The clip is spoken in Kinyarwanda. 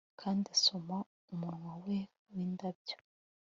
Kandi asoma umunwa we windabyo